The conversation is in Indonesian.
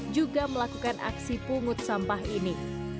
juga melakukan aksi pungut sampah ini